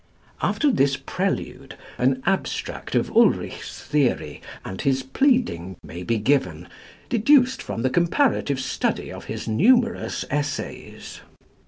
After this prelude, an abstract of Ulrichs' theory and his pleading may be given, deduced from the comparative study of his numerous essays.